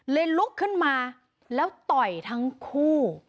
ลุกขึ้นมาแล้วต่อยทั้งคู่